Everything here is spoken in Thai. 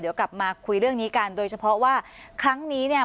เดี๋ยวกลับมาคุยเรื่องนี้กันโดยเฉพาะว่าครั้งนี้เนี่ย